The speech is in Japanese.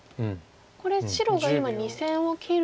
これ白が今２線を切ると。